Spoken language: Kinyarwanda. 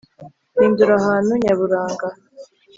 hindura ahantu nyaburanga